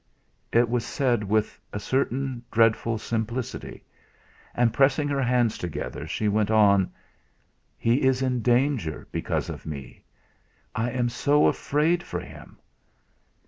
It was said with a certain dreadful simplicity, and pressing her hands together, she went on: "He is in danger, because of me. I am so afraid for him."